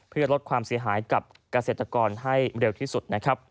เพื่อลดความเสียหายกับเกษตรกรให้เร็วที่สุดนะครับ